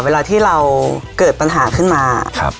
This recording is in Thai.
เวลาที่เราเกิดปัญหาขึ้นมา